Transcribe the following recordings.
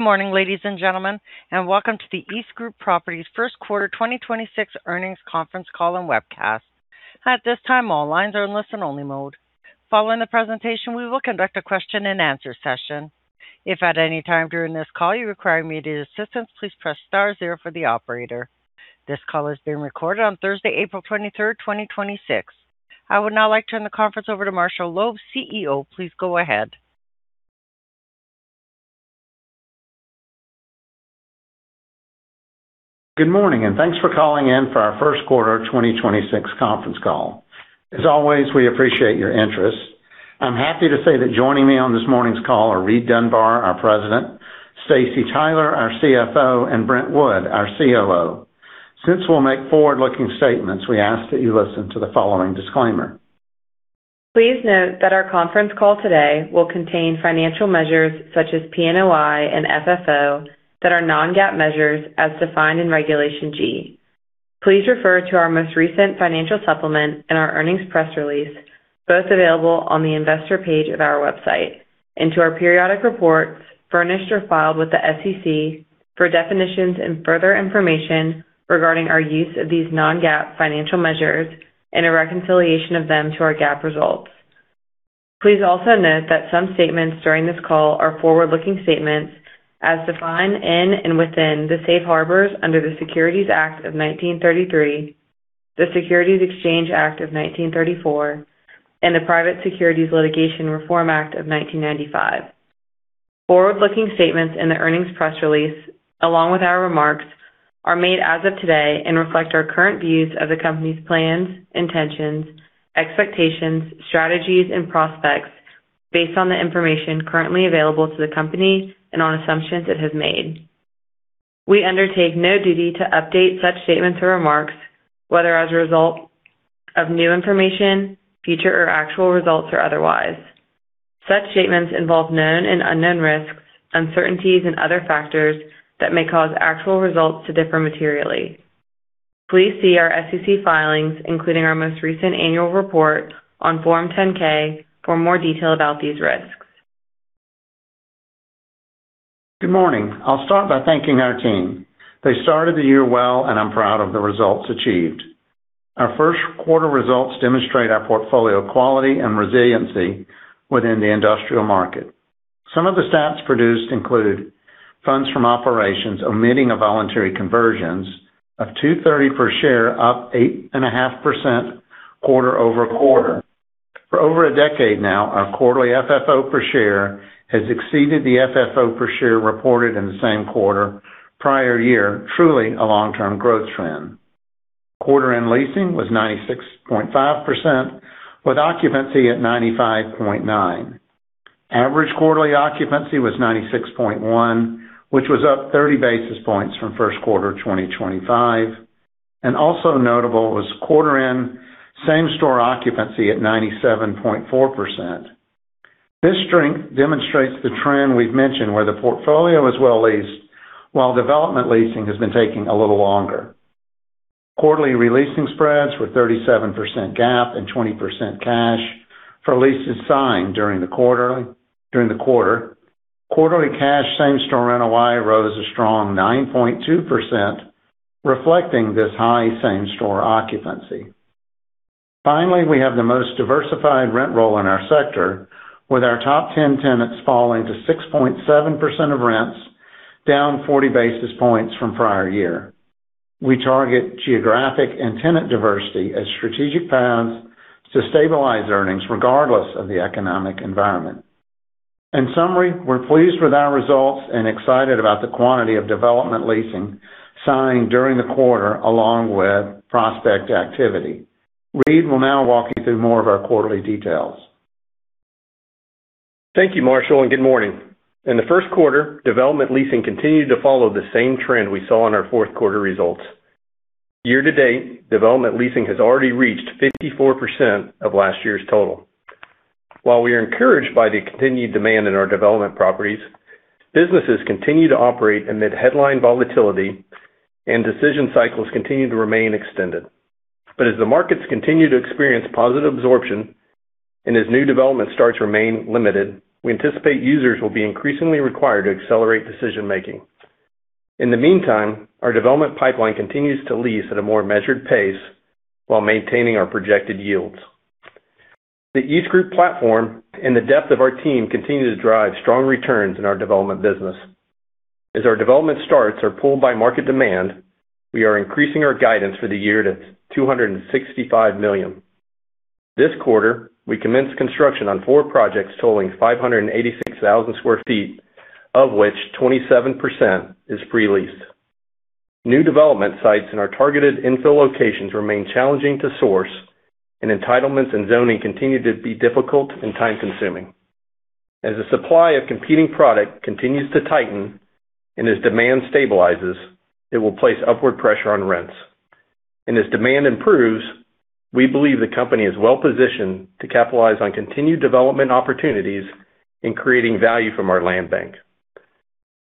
Morning, ladies and gentlemen, and welcome to the EastGroup Properties first quarter 2026 earnings conference call and webcast. At this time, all lines are in listen-only mode. Following the presentation, we will conduct a question-and-answer session. If at any time during this call you require immediate assistance, please press star zero for the operator. This call is being recorded on Thursday, April 23rd, 2026. I would now like to turn the conference over to Marshall Loeb, CEO. Please go ahead. Good morning, and thanks for calling in for our first quarter 2026 conference call. As always, we appreciate your interest. I'm happy to say that joining me on this morning's call are Reid Dunbar, our President; Staci Tyler, our CFO; and Brent Wood, our COO. Since we'll make forward-looking statements, we ask that you listen to the following disclaimer. Please note that our conference call today will contain financial measures such as PNOI and FFO that are non-GAAP measures as defined in Regulation G. Please refer to our most recent financial supplement and our earnings press release, both available on the Investor page of our website, and to our periodic reports furnished or filed with the SEC for definitions and further information regarding our use of these non-GAAP financial measures and a reconciliation of them to our GAAP results. Please also note that some statements during this call are forward-looking statements as defined in and within the safe harbors under the Securities Act of 1933, the Securities Exchange Act of 1934, and the Private Securities Litigation Reform Act of 1995. Forward-looking statements in the earnings press release, along with our remarks, are made as of today and reflect our current views of the company's plans, intentions, expectations, strategies, and prospects based on the information currently available to the company and on assumptions it has made. We undertake no duty to update such statements or remarks, whether as a result of new information, future or actual results, or otherwise. Such statements involve known and unknown risks, uncertainties, and other factors that may cause actual results to differ materially. Please see our SEC filings, including our most recent annual report on Form 10-K, for more detail about these risks. Good morning. I'll start by thanking our team. They started the year well, and I'm proud of the results achieved. Our first quarter results demonstrate our portfolio quality and resiliency within the industrial market. Some of the stats produced include funds from operations, omitting of involuntary conversions, of $2.30 per share, up 8.5% quarter-over-quarter. For over a decade now, our quarterly FFO per share has exceeded the FFO per share reported in the same quarter prior year, truly a long-term growth trend. Quarter-end leasing was 96.5%, with occupancy at 95.9%. Average quarterly occupancy was 96.1%, which was up 30 basis points from first quarter 2025. Also notable was quarter-end same-store occupancy at 97.4%. This strength demonstrates the trend we've mentioned, where the portfolio is well leased while development leasing has been taking a little longer. Quarterly re-leasing spreads were 37% GAAP and 20% cash for leases signed during the quarter. Quarterly cash same-store NOI rose a strong 9.2%, reflecting this high same-store occupancy. Finally, we have the most diversified rent roll in our sector, with our top 10 tenants falling to 6.7% of rents, down 40 basis points from prior year. We target geographic and tenant diversity as strategic paths to stabilize earnings regardless of the economic environment. In summary, we're pleased with our results and excited about the quantity of development leasing signed during the quarter along with prospect activity. Reid will now walk you through more of our quarterly details. Thank you, Marshall, and good morning. In the first quarter, development leasing continued to follow the same trend we saw in our fourth quarter results. Year to date, development leasing has already reached 54% of last year's total. While we are encouraged by the continued demand in our development properties, businesses continue to operate amid headline volatility, and decision cycles continue to remain extended. As the markets continue to experience positive absorption, and as new development starts to remain limited, we anticipate users will be increasingly required to accelerate decision making. In the meantime, our development pipeline continues to lease at a more measured pace while maintaining our projected yields. The EastGroup platform and the depth of our team continue to drive strong returns in our development business. As our development starts are pulled by market demand, we are increasing our guidance for the year to $265 million. This quarter, we commenced construction on four projects totaling 586,000 sq ft, of which 27% is pre-leased. New development sites in our targeted infill locations remain challenging to source, and entitlements and zoning continue to be difficult and time-consuming. As the supply of competing product continues to tighten and as demand stabilizes, it will place upward pressure on rents. As demand improves, we believe the company is well positioned to capitalize on continued development opportunities in creating value from our land bank.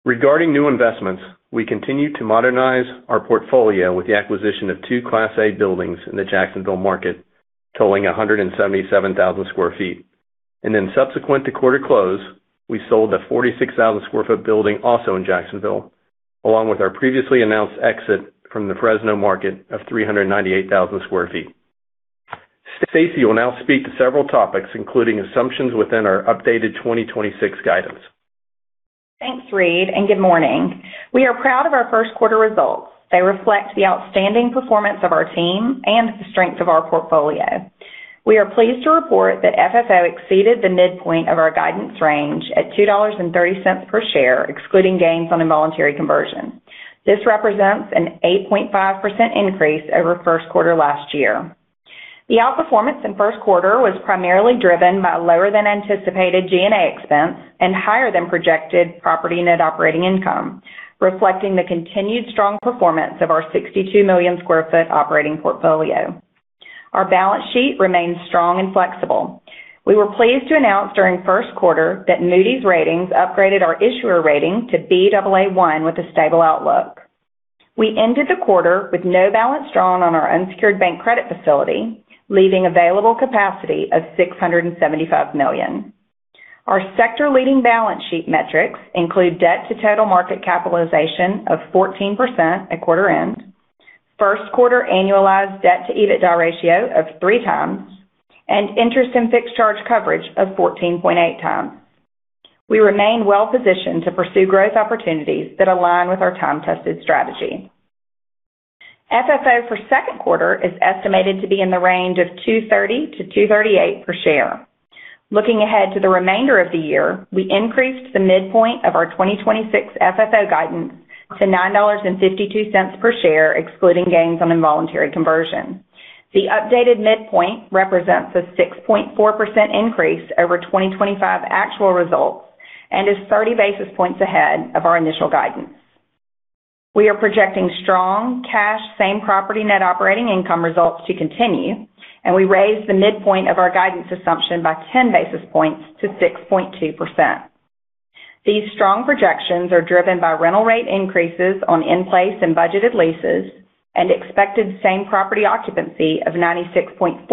Regarding new investments, we continue to modernize our portfolio with the acquisition of two Class A buildings in the Jacksonville market. Totaling 177,000 sq ft. Subsequent to quarter close, we sold a 46,000 sq ft building also in Jacksonville, along with our previously announced exit from the Fresno market of 398,000 sq ft. Staci will now speak to several topics, including assumptions within our updated 2026 guidance. Thanks, Reid, and good morning. We are proud of our first quarter results. They reflect the outstanding performance of our team and the strength of our portfolio. We are pleased to report that FFO exceeded the midpoint of our guidance range at $2.30 per share, excluding gains on involuntary conversion. This represents an 8.5% increase over first quarter last year. The outperformance in first quarter was primarily driven by lower than anticipated G&A expense and higher than projected property net operating income, reflecting the continued strong performance of our 62 million sq ft operating portfolio. Our balance sheet remains strong and flexible. We were pleased to announce during first quarter that Moody's Ratings upgraded our issuer rating to Baa1 with a stable outlook. We ended the quarter with no balance drawn on our unsecured bank credit facility, leaving available capacity of $675 million. Our sector-leading balance sheet metrics include debt to total market capitalization of 14% at quarter end, first quarter annualized debt to EBITDA ratio of 3x, and interest and fixed charge coverage of 14.8x. We remain well-positioned to pursue growth opportunities that align with our time-tested strategy. FFO for second quarter is estimated to be in the range of $2.30-$2.38 per share. Looking ahead to the remainder of the year, we increased the midpoint of our 2026 FFO guidance to $9.52 per share, excluding gains on involuntary conversion. The updated midpoint represents a 6.4% increase over 2025 actual results and is 30 basis points ahead of our initial guidance. We are projecting strong cash same property net operating income results to continue, and we raised the midpoint of our guidance assumption by 10 basis points to 6.2%. These strong projections are driven by rental rate increases on in-place and budgeted leases and expected same property occupancy of 96.4%,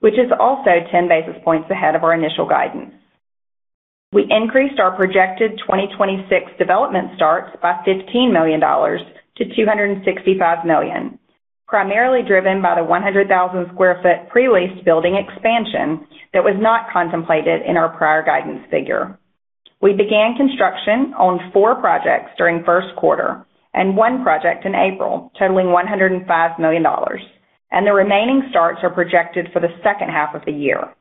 which is also 10 basis points ahead of our initial guidance. We increased our projected 2026 development starts by $15 million to $265 million, primarily driven by the 100,000 sq ft pre-leased building expansion that was not contemplated in our prior guidance figure. We began construction on four projects during the first quarter and one project in April, totaling $105 million, and the remaining starts are projected for the second half of the year.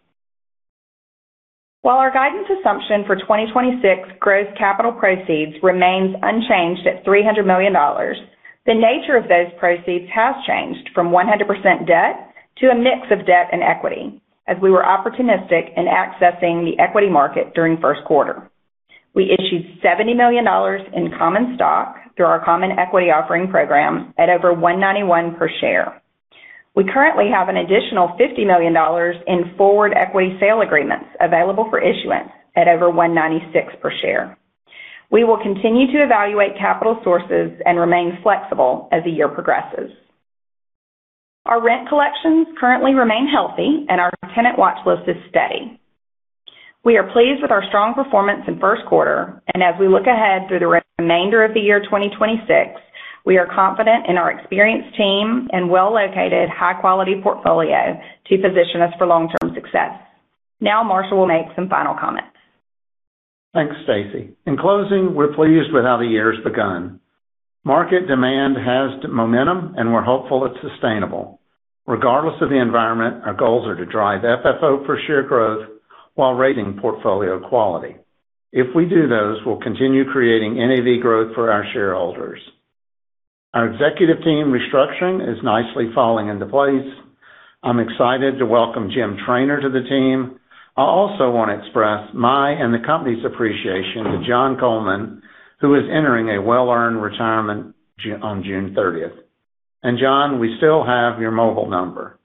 While our guidance assumption for 2026 gross capital proceeds remains unchanged at $300 million, the nature of those proceeds has changed from 100% debt to a mix of debt and equity, as we were opportunistic in accessing the equity market during the first quarter. We issued $70 million in common stock through our common equity offering program at over $191 per share. We currently have an additional $50 million in forward equity sale agreements available for issuance at over $196 per share. We will continue to evaluate capital sources and remain flexible as the year progresses. Our rent collections currently remain healthy, and our tenant watch list is steady. We are pleased with our strong performance in the first quarter, and as we look ahead through the remainder of the year 2026, we are confident in our experienced team and well-located, high-quality portfolio to position us for long-term success. Now Marshall will make some final comments. Thanks, Staci. In closing, we're pleased with how the year's begun. Market demand has momentum, and we're hopeful it's sustainable. Regardless of the environment, our goals are to drive FFO per share growth while rating portfolio quality. If we do those, we'll continue creating NAV growth for our shareholders. Our executive team restructuring is nicely falling into place. I'm excited to welcome Jim Trainor to the team. I also want to express my and the company's appreciation to John Coleman, who is entering a well-earned retirement on June 30th. John, we still have your mobile number.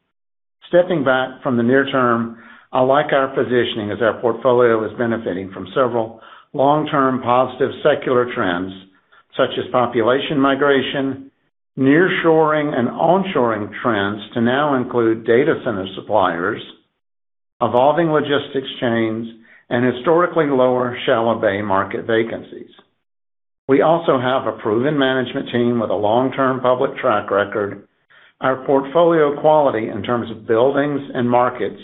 Stepping back from the near term, I like our positioning as our portfolio is benefiting from several long-term positive secular trends, such as population migration, nearshoring and onshoring trends to now include data center suppliers, evolving logistics chains, and historically lower shallow-bay market vacancies. We also have a proven management team with a long-term public track record. Our portfolio quality in terms of buildings and markets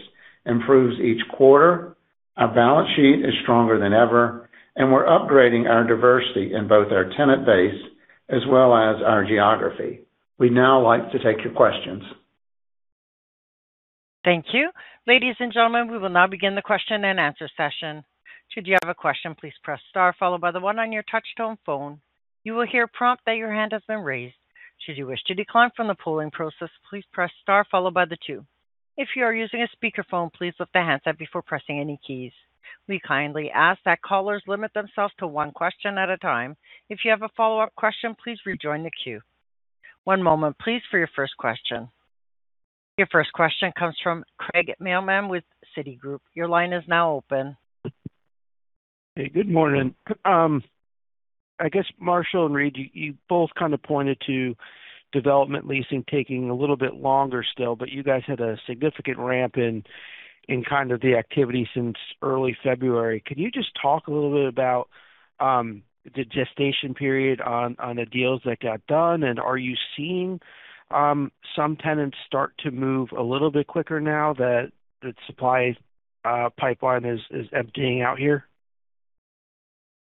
improves each quarter, our balance sheet is stronger than ever, and we're upgrading our diversity in both our tenant base as well as our geography. We'd now like to take your questions. Thank you. Ladies and gentlemen, we will now begin the question-and-answer session. If you have a question, please press star followed by the one on your touch-tone phone. You will hear a prompt that your hand has been raised. Should you wish to decline from the polling process, please press star followed by the two. If you are using a speakerphone, please lift the handset before pressing any keys. We kindly ask that callers limit themselves to one question at a time. If you have a follow-up question, please rejoin the queue. One moment please for your first question. Your first question comes from Craig Mailman with Citigroup. Your line is now open. Hey, good morning. I guess Marshall and Reid, you both kind of pointed to development leasing taking a little bit longer still, but you guys had a significant ramp in the activity since early February. Could you just talk a little bit about the gestation period on the deals that got done, and are you seeing some tenants start to move a little bit quicker now that the supply pipeline is emptying out here?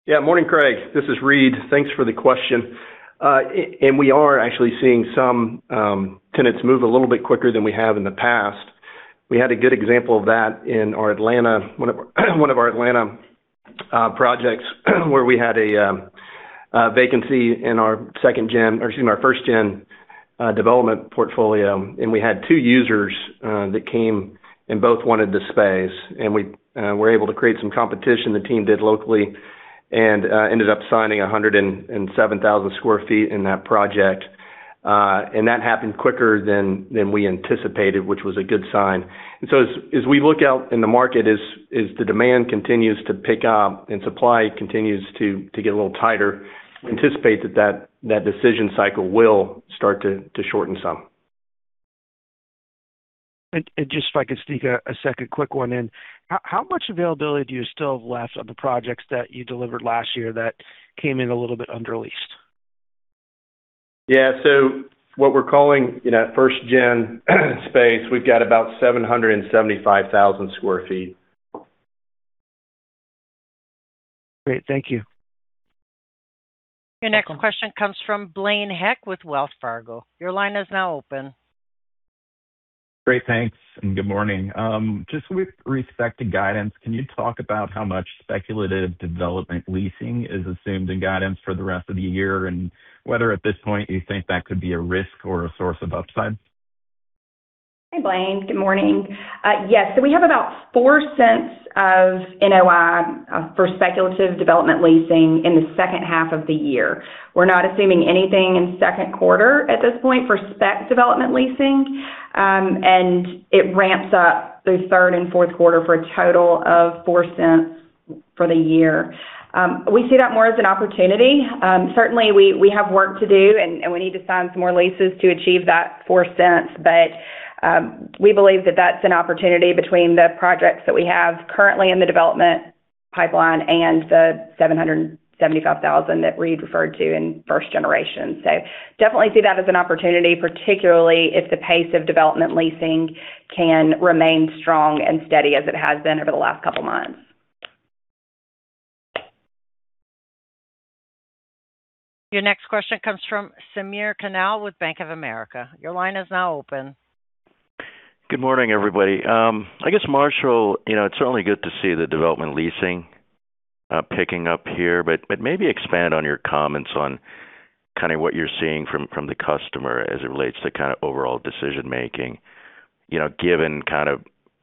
Yeah. Morning, Craig. This is Reid. Thanks for the question. We are actually seeing some tenants move a little bit quicker than we have in the past. We had a good example of that in one of our Atlanta projects where we had a vacancy in our first-gen development portfolio, and we had two users that came, and both wanted the space. We were able to create some competition, the team did locally, and ended up signing 107,000 sq ft in that project. That happened quicker than we anticipated, which was a good sign. As we look out in the market, as the demand continues to pick up and supply continues to get a little tighter, we anticipate that decision cycle will start to shorten some. Just if I could sneak a second quick one in. How much availability do you still have left of the projects that you delivered last year that came in a little bit under leased? Yeah. What we're calling first-gen space, we've got about 775,000 sq ft. Great. Thank you. Your next question comes from Blaine Heck with Wells Fargo. Your line is now open. Great. Thanks, and good morning. Just with respect to guidance, can you talk about how much speculative development leasing is assumed in guidance for the rest of the year, and whether at this point you think that could be a risk or a source of upside? Hey, Blaine. Good morning. Yes. We have about $0.04 of NOI for speculative development leasing in the second half of the year. We're not assuming anything in second quarter at this point for spec development leasing. It ramps up through third and fourth quarter for a total of $0.04 for the year. We see that more as an opportunity. Certainly, we have work to do, and we need to sign some more leases to achieve that $0.04. We believe that that's an opportunity between the projects that we have currently in the development pipeline and the 775,000 that Reid referred to in first generation. Definitely see that as an opportunity, particularly if the pace of development leasing can remain strong and steady as it has been over the last couple of months. Your next question comes from Samir Khanal with Bank of America. Your line is now open. Good morning, everybody. I guess, Marshall, it's certainly good to see the development leasing picking up here, but maybe expand on your comments on kind of what you're seeing from the customer as it relates to kind of overall decision-making. Given kind of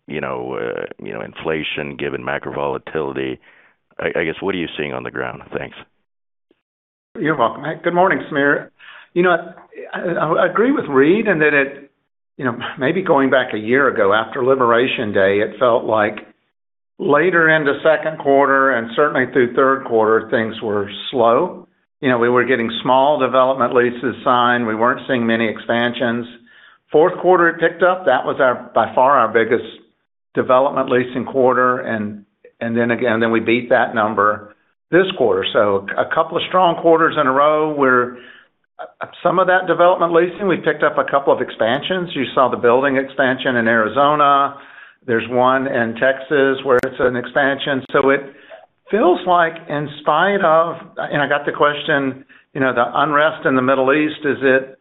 inflation, given macro volatility, I guess, what are you seeing on the ground? Thanks. You're welcome. Good morning, Samir. I agree with Reid. Maybe going back a year ago after Liberation Day, it felt like later into second quarter and certainly through third quarter, things were slow. We were getting small development leases signed. We weren't seeing many expansions. Fourth quarter, it picked up. That was by far our biggest development leasing quarter. We beat that number this quarter. A couple of strong quarters in a row where some of that development leasing, we picked up a couple of expansions. You saw the building expansion in Arizona. There's one in Texas where it's an expansion. It feels like in spite of. I got the question, the unrest in the Middle East, is it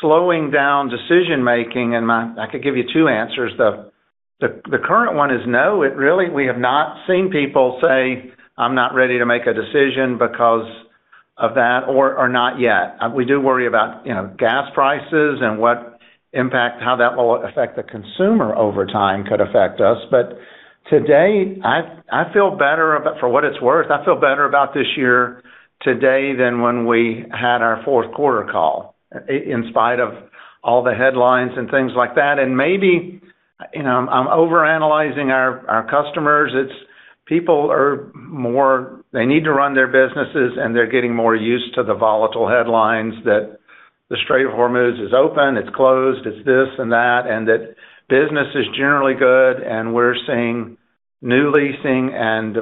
slowing down decision-making? I could give you two answers. The current one is no. We have not seen people say, "I'm not ready to make a decision because of that," or not yet. We do worry about gas prices and what impact, how that will affect the consumer over time could affect us. Today, I feel better. For what it's worth, I feel better about this year today than when we had our fourth quarter call, in spite of all the headlines and things like that. Maybe, I'm overanalyzing our customers. It's people are more. They need to run their businesses, and they're getting more used to the volatile headlines that the Strait of Hormuz is open, it's closed, it's this and that, and that business is generally good, and we're seeing new leasing and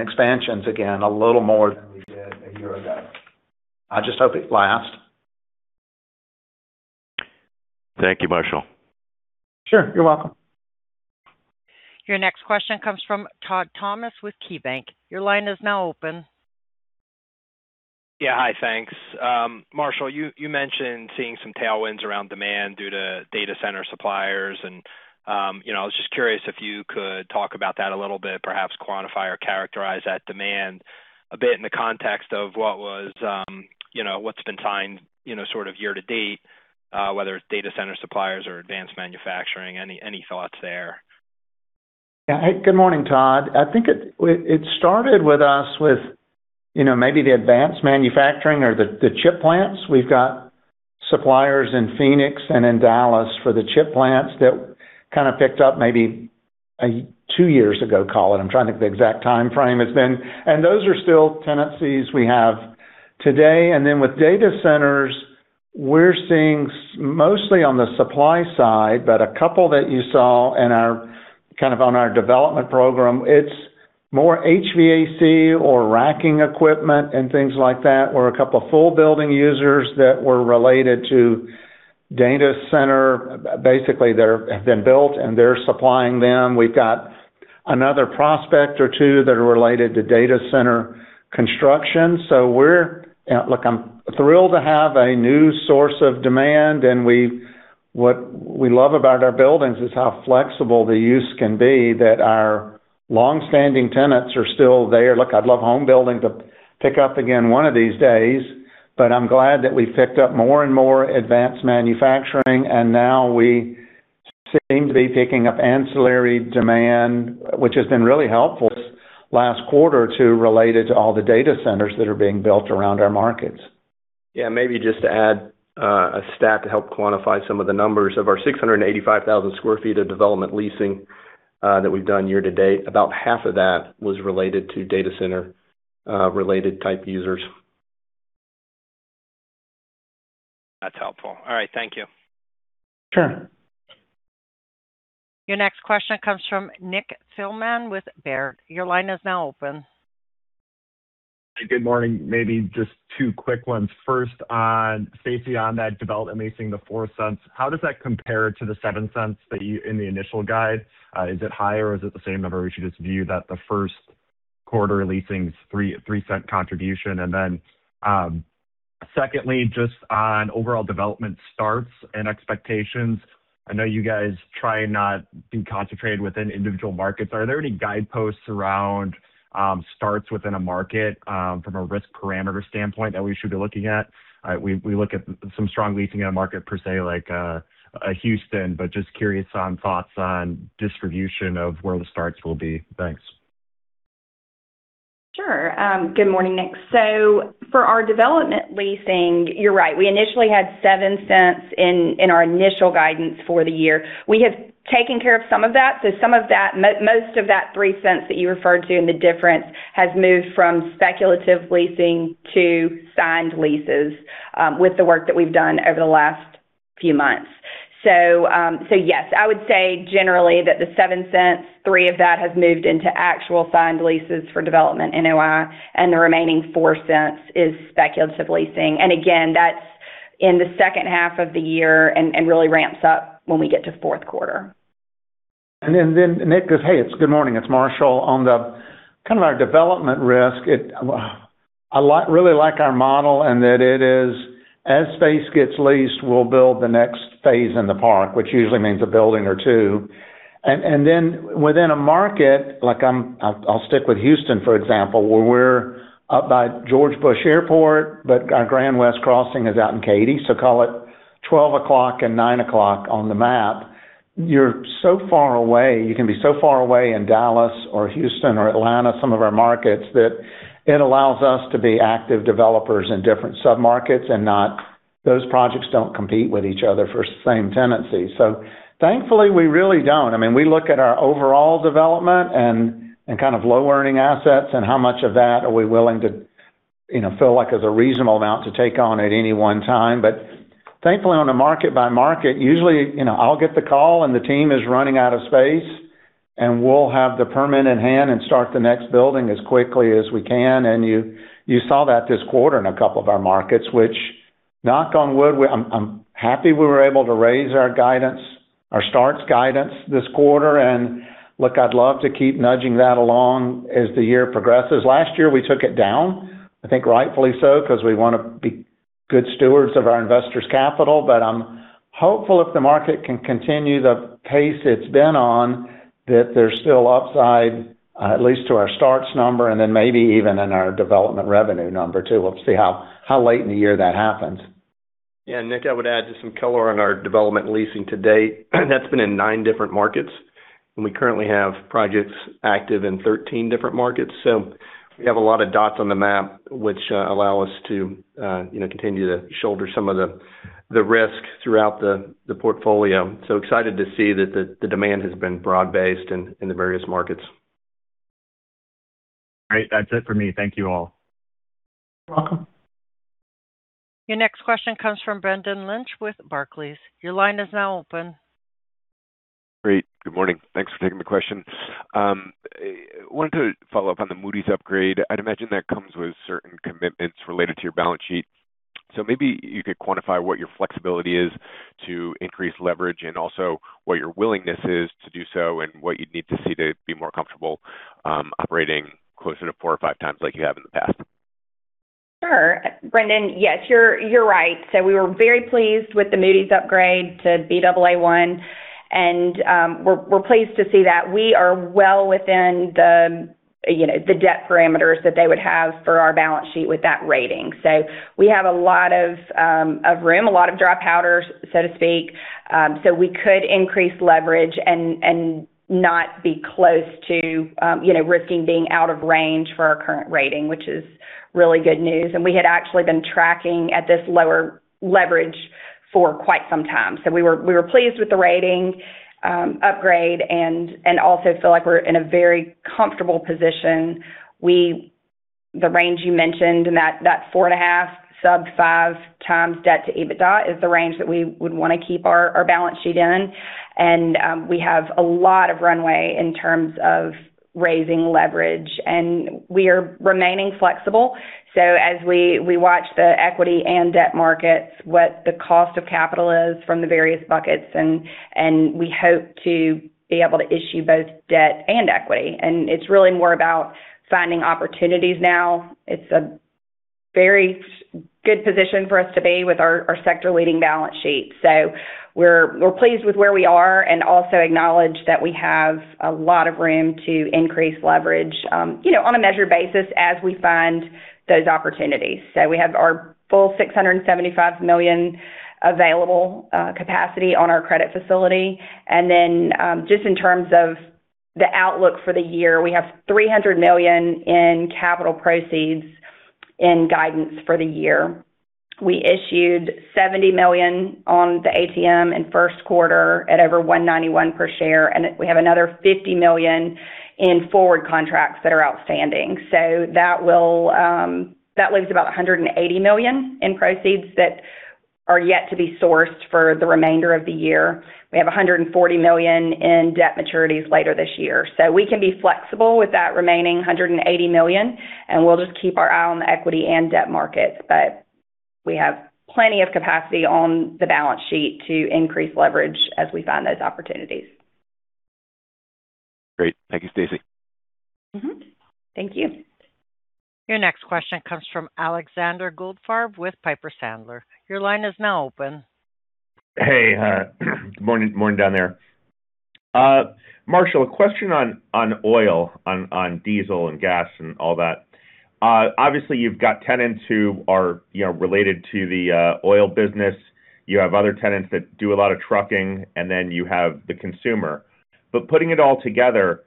expansions again a little more than we did a year ago. I just hope it lasts. Thank you, Marshall. Sure. You're welcome. Your next question comes from Todd Thomas with KeyBanc. Your line is now open. Yeah. Hi, thanks. Marshall, you mentioned seeing some tailwinds around demand due to data center suppliers, and I was just curious if you could talk about that a little bit, perhaps quantify or characterize that demand a bit in the context of what's been signed sort of year to date, whether it's data center suppliers or advanced manufacturing. Any thoughts there? Yeah. Hey, good morning, Todd. I think it started with us. Maybe the advanced manufacturing or the chip plants. We've got suppliers in Phoenix and in Dallas for the chip plants that kind of picked up maybe 2 years ago, call it. I'm trying to think of the exact time frame it's been. Those are still tenancies we have today. With data centers, we're seeing mostly on the supply side, but a couple that you saw in our development program. It's more HVAC or racking equipment and things like that, or a couple of full building users that were related to data center. Basically, they have been built, and they're supplying them. We've got another prospect or two that are related to data center construction. Look, I'm thrilled to have a new source of demand, and what we love about our buildings is how flexible the use can be that our long-standing tenants are still there. Look, I'd love home building to pick up again one of these days, but I'm glad that we've picked up more and more advanced manufacturing, and now we seem to be picking up ancillary demand, which has been really helpful this last quarter, too, related to all the data centers that are being built around our markets. Yeah. Maybe just to add a stat to help quantify some of the numbers. Of our 685,000 sq ft of development leasing that we've done year to date, about half of that was related to data center-related type users. That's helpful. All right, thank you. Sure. Your next question comes from Nick Thillman with Baird. Your line is now open. Good morning. Maybe just two quick ones. First on, Staci, on that development leasing, the $0.04, how does that compare to the $0.07 in the initial guide? Is it higher, or is it the same number? We should just view that the first quarter leasing's $0.03 contribution. Then, secondly, just on overall development starts and expectations, I know you guys try and not be concentrated within individual markets. Are there any guideposts around starts within a market from a risk parameter standpoint that we should be looking at? We look at some strong leasing in a market per se, like Houston, but just curious on thoughts on distribution of where the starts will be. Thanks. Sure. Good morning, Nick. For our development leasing, you're right. We initially had $0.07 in our initial guidance for the year. We have taken care of some of that. Most of that $0.03 that you referred to, and the difference has moved from speculative leasing to signed leases with the work that we've done over the last few months. Yes, I would say generally that the $0.07, $0.03 of that, has moved into actual signed leases for development NOI, and the remaining $0.04 is speculative leasing. Again, that's in the second half of the year and really ramps up when we get to fourth quarter. Nick, hey, it's good morning. It's Marshall. On the kind of our development risk, I really like our model and that it is as space gets leased, we'll build the next phase in the park, which usually means a building or two. Within a market, I'll stick with Houston, for example, where we're up by George Bush Airport, but our Grand West Crossing is out in Katy, so call it 12 o'clock and nine o'clock on the map. You're so far away. You can be so far away in Dallas or Houston or Atlanta, some of our markets, that it allows us to be active developers in different submarkets and those projects don't compete with each other for the same tenancy. Thankfully, we really don't. We look at our overall development and kind of non-earning assets and how much of that are we willing to feel like is a reasonable amount to take on at any one time. Thankfully, on a market by market, usually, I'll get the call and the team is running out of space, and we'll have the permit in hand and start the next building as quickly as we can. You saw that this quarter in a couple of our markets, which knock on wood, I'm happy we were able to raise our starts guidance this quarter. Look, I'd love to keep nudging that along as the year progresses. Last year, we took it down, I think rightfully so, because we want to be good stewards of our investors' capital. I'm hopeful if the market can continue the pace it's been on, that there's still upside, at least to our starts number and then maybe even in our development revenue number too. We'll see how late in the year that happens. Yeah. Nick, I would add just some color on our development leasing to date. That's been in nine different markets, and we currently have projects active in 13 different markets. We have a lot of dots on the map which allow us to continue to shoulder some of the risk throughout the portfolio. Excited to see that the demand has been broad-based in the various markets. Great. That's it for me. Thank you all. You're welcome. Your next question comes from Brendan Lynch with Barclays. Your line is now open. Great. Good morning. Thanks for taking the question. I wanted to follow up on the Moody's upgrade. I'd imagine that comes with certain commitments related to your balance sheet. Maybe you could quantify what your flexibility is to increase leverage and also what your willingness is to do so, and what you'd need to see to be more comfortable operating closer to 4x or 5x like you have in the past. Sure. Brendan, yes, you're right. We were very pleased with the Moody's upgrade to Baa1, and we're pleased to see that. We are well within the debt parameters that they would have for our balance sheet with that rating. We have a lot of room, a lot of dry powder, so to speak. We could increase leverage and not be close to risking being out of range for our current rating, which is really good news. We had actually been tracking at this lower leverage For quite some time. We were pleased with the rating upgrade and also feel like we're in a very comfortable position. The range you mentioned, and that 4.5x sub-5x debt to EBITDA is the range that we would want to keep our balance sheet in. We have a lot of runway in terms of raising leverage, and we are remaining flexible. As we watch the equity and debt markets, what the cost of capital is from the various buckets, and we hope to be able to issue both debt and equity. It's really more about finding opportunities now. It's a very good position for us to be with our sector-leading balance sheet. We're pleased with where we are and also acknowledge that we have a lot of room to increase leverage on a measured basis as we find those opportunities. We have our full $675 million available capacity on our credit facility. Just in terms of the outlook for the year, we have $300 million in capital proceeds in guidance for the year. We issued $70 million on the ATM in first quarter at over $191 per share, and we have another $50 million in forward contracts that are outstanding. That leaves about $180 million in proceeds that are yet to be sourced for the remainder of the year. We have $140 million in debt maturities later this year. We can be flexible with that remaining $180 million, and we'll just keep our eye on the equity and debt markets. We have plenty of capacity on the balance sheet to increase leverage as we find those opportunities. Great. Thank you, Staci. Thank you. Your next question comes from Alexander Goldfarb with Piper Sandler. Your line is now open. Hey. Good morning down there. Marshall, a question on oil, on diesel and gas and all that. Obviously, you've got tenants who are related to the oil business. You have other tenants that do a lot of trucking, and then you have the consumer. Putting it all together,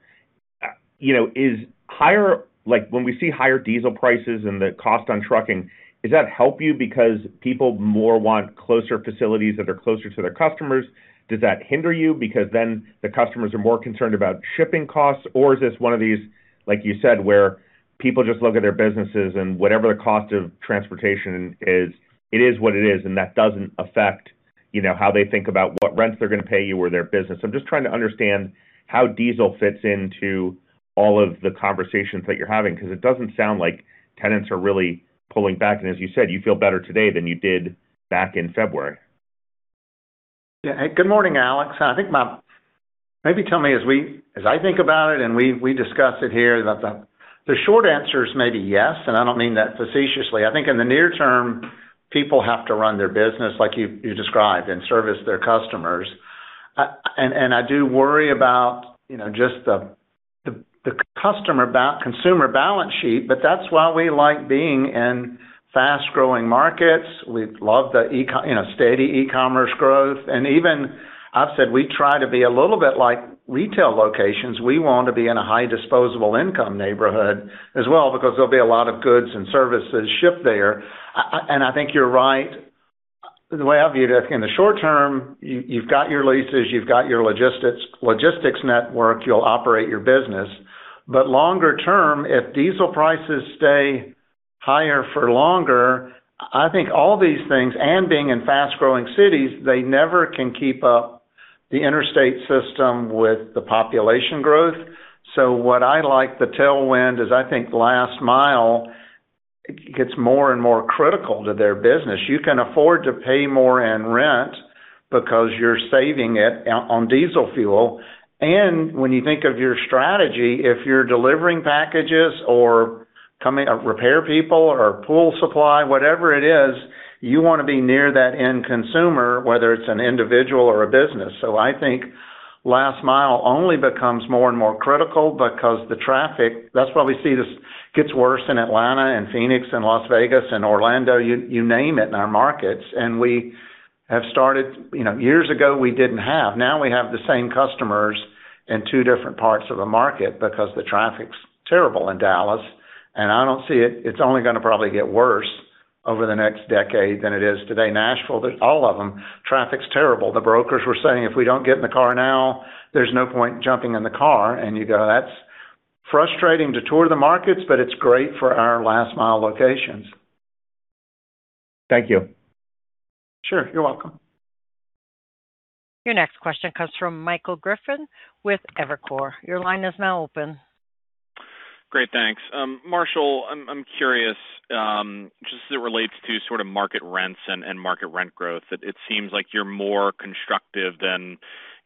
when we see higher diesel prices and the cost on trucking, does that help you because people more want closer facilities that are closer to their customers? Does that hinder you because then the customers are more concerned about shipping costs? Is this one of these, like you said, where people just look at their businesses and whatever the cost of transportation is, it is what it is, and that doesn't affect how they think about what rents they're going to pay you or their business? I'm just trying to understand how diesel fits into all of the conversations that you're having, because it doesn't sound like tenants are really pulling back. As you said, you feel better today than you did back in February. Yeah. Good morning, Alex. Maybe tell me, as I think about it and we discuss it here, the short answer is maybe yes, and I don't mean that facetiously. I think in the near term, people have to run their business like you described and service their customers. I do worry about just the consumer balance sheet, but that's why we like being in fast-growing markets. We love the steady e-commerce growth, and even I've said we try to be a little bit like retail locations. We want to be in a high disposable income neighborhood as well because there'll be a lot of goods and services shipped there. I think you're right the way I view that. In the short term, you've got your leases, you've got your logistics network, you'll operate your business. Longer term, if diesel prices stay higher for longer, I think all these things, and being in fast-growing cities, they never can keep up the interstate system with the population growth. What I like the tailwind is I think last mile gets more and more critical to their business. You can afford to pay more in rent because you're saving it on diesel fuel. When you think of your strategy, if you're delivering packages or repair people or pool supply, whatever it is, you want to be near that end consumer, whether it's an individual or a business. I think last mile only becomes more and more critical because the traffic. That's why we see this gets worse in Atlanta and Phoenix and Las Vegas and Orlando, you name it, in our markets. Years ago, we didn't have. Now we have the same customers in two different parts of the market because the traffic's terrible in Dallas, and I don't see it. It's only going to probably get worse over the next decade than it is today. In Nashville, all of them, traffic's terrible. The brokers were saying, "If we don't get in the car now, there's no point in jumping in the car." You go, "That's frustrating to tour the markets, but it's great for our last-mile locations. Thank you. Sure. You're welcome. Your next question comes from Michael Griffin with Evercore. Your line is now open. Great, thanks. Marshall, I'm curious, just as it relates to sort of market rents and market rent growth, it seems like you're more constructive than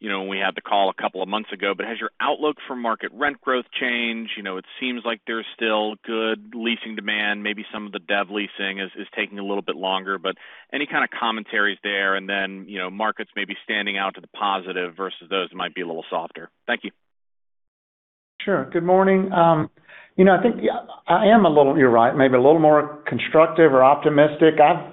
when we had the call a couple of months ago. Has your outlook for market rent growth changed? It seems like there's still good leasing demand. Maybe some of the dev leasing is taking a little bit longer, but any kind of commentaries there, and then markets may be standing out to the positive versus those that might be a little softer. Thank you. Sure. Good morning. I am a little, you're right, maybe a little more constructive or optimistic. I've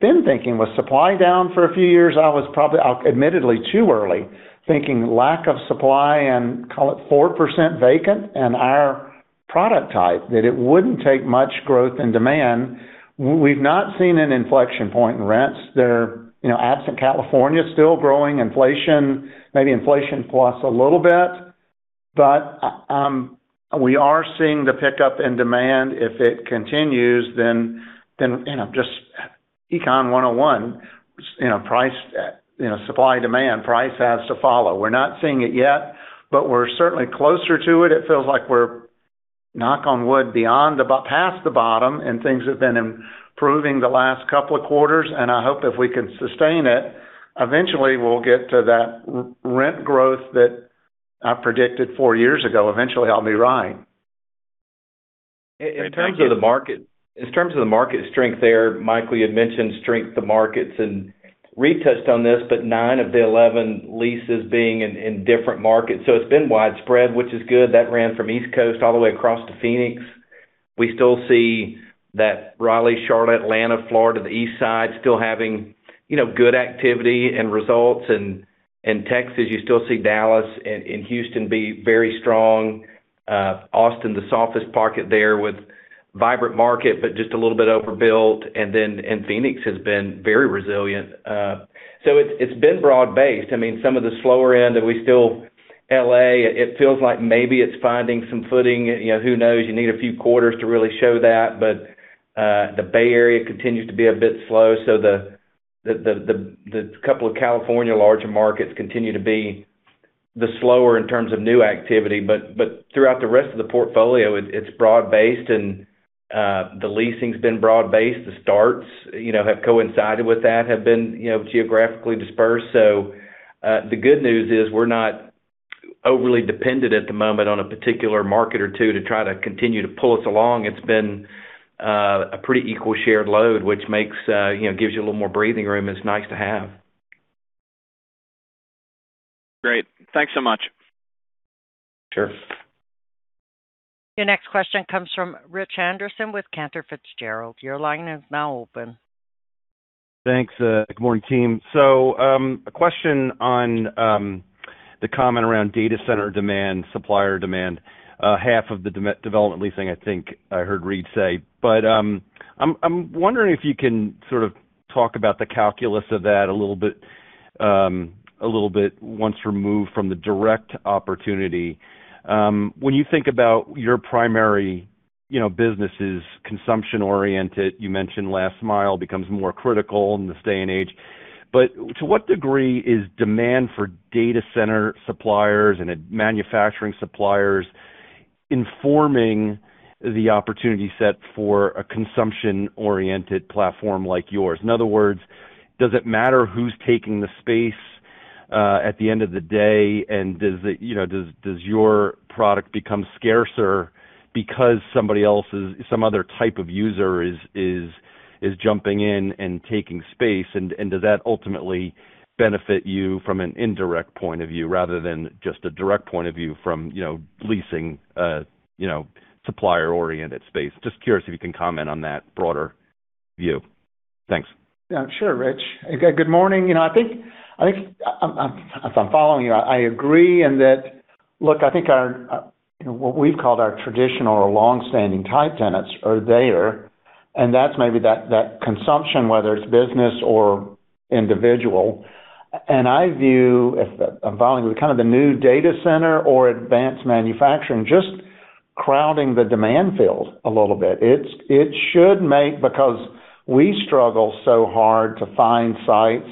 been thinking with supply down for a few years, I was probably, admittedly, too early, thinking lack of supply and call it 4% vacant. Our product type, that it wouldn't take much growth and demand. We've not seen an inflection point in rents. They're, absent California, still growing inflation, maybe inflation plus a little bit. We are seeing the pickup in demand, if it continues, then just Econ 101, supply and demand, price has to follow. We're not seeing it yet, but we're certainly closer to it. It feels like we're, knock on wood, past the bottom, and things have been improving the last couple of quarters, and I hope if we can sustain it, eventually we'll get to that rent growth that I predicted 4 years ago. Eventually, I'll be right. In terms of the market strength there, Michael, you had mentioned strength of markets, and Reid touched on this, but 9 of the 11 leases being in different markets. It's been widespread, which is good. That ran from East Coast all the way across to Phoenix. We still see that Raleigh, Charlotte, Atlanta, Florida, the East Side still having good activity and results. In Texas, you still see Dallas and Houston be very strong. Austin, the softest market there with vibrant market, but just a little bit overbuilt. Phoenix has been very strong. It's been broad-based. Some of the slower end, and we still L.A., it feels like maybe it's finding some footing. Who knows? You need a few quarters to really show that. The Bay Area continues to be a bit slow. The couple of California larger markets continue to be the slower in terms of new activity. Throughout the rest of the portfolio, it's broad-based and the leasing's been broad-based. The starts have coincided with that, have been geographically dispersed. The good news is we're not overly dependent at the moment on a particular market or two to try to continue to pull us along. It's been a pretty equal shared load, which gives you a little more breathing room. It's nice to have. Great. Thanks so much. Sure. Your next question comes from Rich Anderson with Cantor Fitzgerald. Your line is now open. Thanks. Good morning, team. A question on the comment around data center demand, supplier demand, half of the development leasing, I think I heard Reid say. I'm wondering if you can sort of talk about the calculus of that a little bit once removed from the direct opportunity. When you think about your primary business is consumption-oriented, you mentioned last mile becomes more critical in this day and age. To what degree is demand for data center suppliers and manufacturing suppliers informing the opportunity set for a consumption-oriented platform like yours? In other words, does it matter who's taking the space at the end of the day, and does your product become scarcer because some other type of user is jumping in and taking space? Does that ultimately benefit you from an indirect point of view rather than just a direct point of view from leasing supplier-oriented space? Just curious if you can comment on that broader view. Thanks. Yeah, sure, Rich. Good morning. If I'm following you, I agree in that, look, I think what we've called our traditional or long-standing type tenants are there, and that's maybe that consumption, whether it's business or individual. I view, if I'm following, kind of the new data center or advanced manufacturing, just crowding the demand field a little bit. Because we struggle so hard to find sites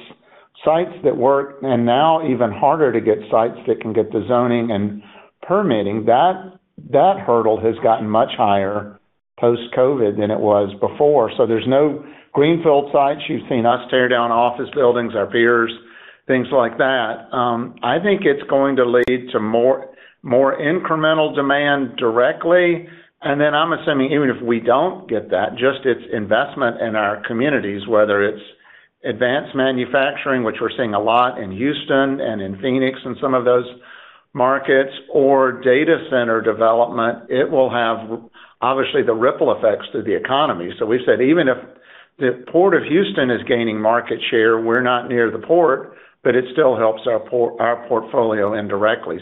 that work, and now even harder to get sites that can get the zoning and permitting. That hurdle has gotten much higher post-COVID than it was before. There's no greenfield sites. You've seen us tear down office buildings, our peers, things like that. I think it's going to lead to more incremental demand directly, and then I'm assuming even if we don't get that, just its investment in our communities, whether it's advanced manufacturing, which we're seeing a lot in Houston and in Phoenix and some of those markets, or data center development, it will have, obviously, the ripple effects to the economy. We've said, even if the Port of Houston is gaining market share, we're not near the port, but it still helps our portfolio indirectly.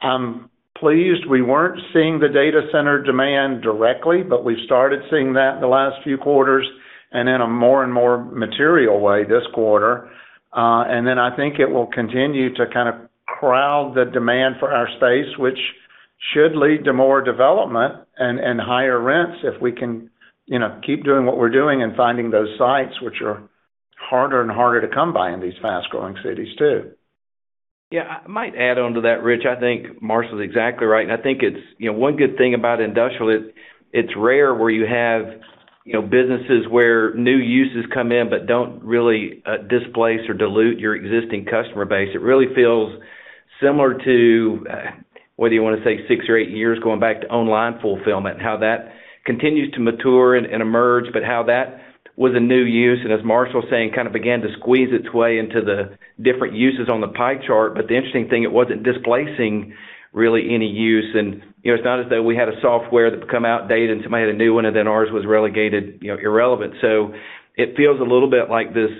I'm pleased we weren't seeing the data center demand directly, but we've started seeing that in the last few quarters and in a more and more material way this quarter. I think it will continue to kind of crowd the demand for our space, which should lead to more development and higher rents if we can keep doing what we're doing and finding those sites, which are harder and harder to come by in these fast-growing cities, too. Yeah. I might add on to that, Rich. I think Marshall's exactly right. I think one good thing about industrial, it's rare where you have businesses where new uses come in but don't really displace or dilute your existing customer base. It really feels similar to, whether you want to say 6 or 8 years, going back to online fulfillment, how that continues to mature and emerge, but how that was a new use. as Marshall was saying, kind of began to squeeze its way into the different uses on the pie chart. The interesting thing, it wasn't displacing really any use. it's not as though we had a software that become outdated, and somebody had a new one, and then ours was relegated irrelevant. It feels a little bit like this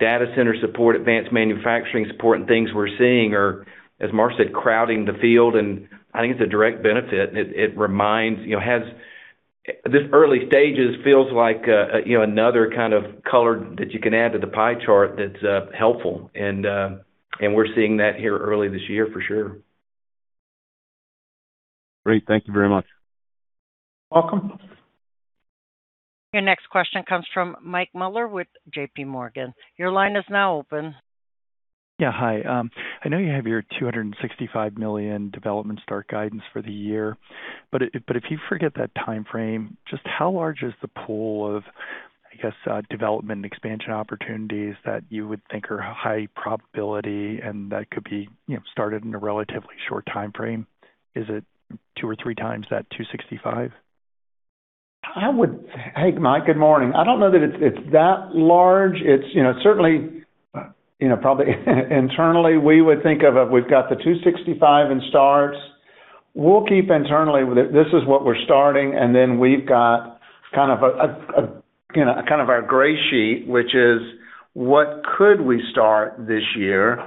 Data center support, advanced manufacturing support, and things we're seeing are, as Marshall said, crowding the field, and I think it's a direct benefit. This early stages feels like another kind of color that you can add to the pie chart that's helpful. We're seeing that here early this year for sure. Great. Thank you very much. You're welcome. Your next question comes from Mike Mueller with JPMorgan. Your line is now open. Yeah, hi. I know you have your $265 million development start guidance for the year. If you forget that timeframe, just how large is the pool of, I guess, development expansion opportunities that you would think are high probability and that could be started in a relatively short timeframe? Is it 2x or 3x that 265? Hey, Mike, good morning. I don't know that it's that large. Probably internally, we would think of it, we've got the $265 million in starts. We'll keep internally with it. This is what we're starting, and then we've got kind of our gray sheet, which is, what could we start this year?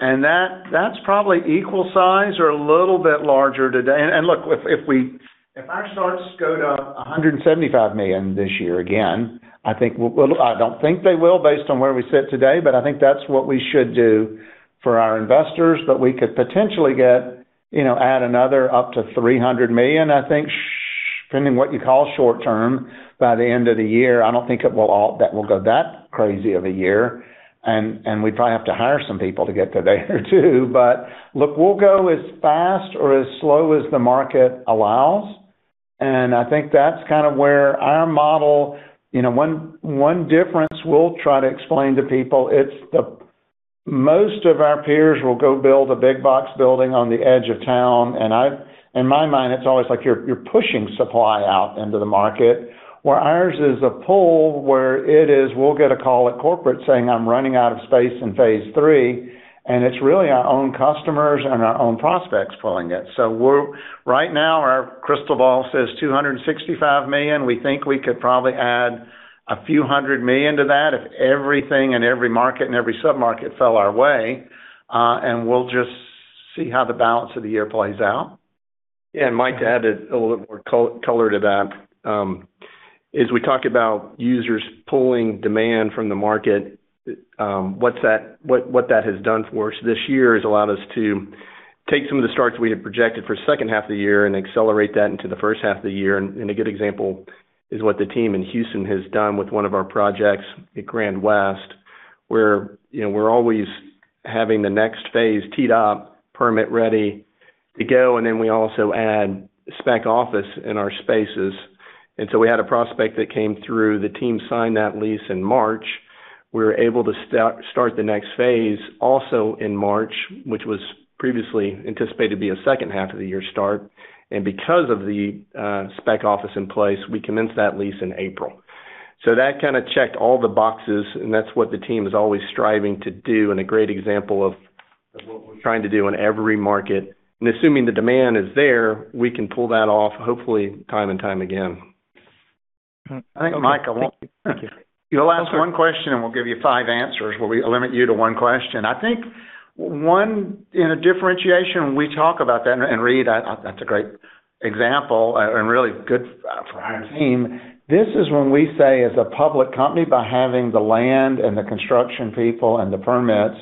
That's probably equal size or a little bit larger today. Look, if our starts go to $175 million this year, again, I don't think they will based on where we sit today, but I think that's what we should do for our investors. We could potentially add another up to $300 million, I think, depending on what you call short-term, by the end of the year. I don't think it will go that crazy of a year, and we'd probably have to hire some people to get to there too. Look, we'll go as fast or as slow as the market allows, and I think that's kind of where our model. One difference we'll try to explain to people, it's that most of our peers will go build a big box building on the edge of town, and in my mind, it's always like you're pushing supply out into the market. Where ours is a pull, where it is, we'll get a call at corporate saying, "I'm running out of space in phase III," and it's really our own customers and our own prospects pulling it. Right now, our crystal ball says $265 million. We think we could probably add a few hundred million to that if everything and every market and every sub-market fell our way. We'll just see how the balance of the year plays out. Yeah. Mike, to add a little bit more color to that. As we talk about users pulling demand from the market, what that has done for us this year is allowed us to take some of the starts we had projected for second half of the year and accelerate that into the first half of the year. A good example is what the team in Houston has done with one of our projects at Grand West, where we're always having the next phase teed up, permit ready to go, and then we also add spec office in our spaces. We had a prospect that came through. The team signed that lease in March. We were able to start the next phase also in March, which was previously anticipated to be a second half of the year start. Because of the spec office in place, we commenced that lease in April. That kind of checked all the boxes, and that's what the team is always striving to do, and a great example of what we're trying to do in every market. Assuming the demand is there, we can pull that off hopefully time and time again. Thank you. You'll ask one question, and we'll give you five answers. We'll limit you to one question. I think one differentiation when we talk about that, and Reid, that's a great example and really good for our team. This is when we say, as a public company, by having the land and the construction people and the permits.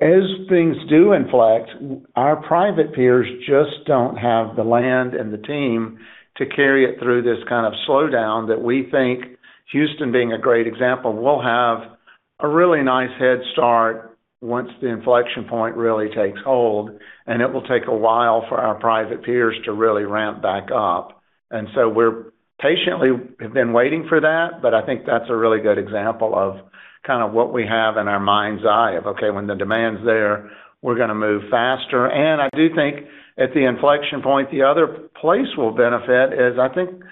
As things do inflect, our private peers just don't have the land and the team to carry it through this kind of slowdown that we think, Houston being a great example, will have a really nice head start once the inflection point really takes hold, and it will take a while for our private peers to really ramp back up. We patiently have been waiting for that, but I think that's a really good example of kind of what we have in our mind's eye of, okay, when the demand's there, we're going to move faster. I do think at the inflection point, the other place we'll benefit is, I think,